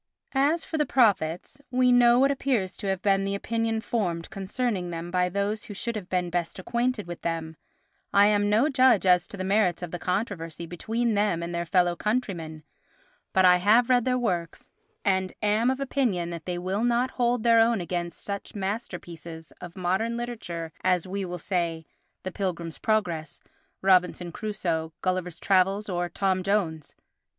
As for the prophets—we know what appears to have been the opinion formed concerning them by those who should have been best acquainted with them; I am no judge as to the merits of the controversy between them and their fellow countrymen, but I have read their works and am of opinion that they will not hold their own against such masterpieces of modern literature as, we will say, The Pilgrim's Progress, Robinson Crusoe, Gulliver's Travels or Tom Jones.